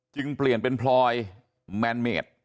จึงเปลี่ยนเป็นพลอยแมนเมด